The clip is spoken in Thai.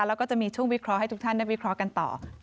แล้วก็จะมีช่วงวิเคราะห์ให้ทุกท่านได้วิเคราะห์กันต่อ